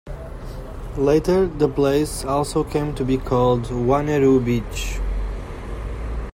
Later, the place also came to be called "Wanneroo Beach".